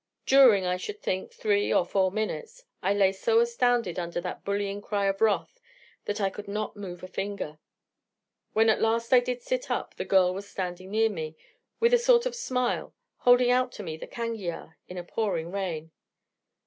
During, I should think, three or four minutes, I lay so astounded under that bullying cry of wrath, that I could not move a finger. When at last I did sit up, the girl was standing near me, with a sort of smile, holding out to me the cangiar in a pouring rain.